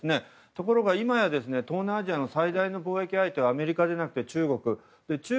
ところが今や東南アジアの最大の貿易相手はアメリカじゃなくて中国。